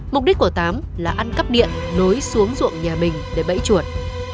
mục đích của tám là ăn cắp điện nối xuống ruộng nhà mình để bẫy chuột